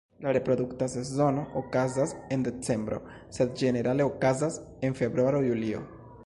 La reprodukta sezono okazas el decembro, sed ĝenerale okazas en februaro-julio.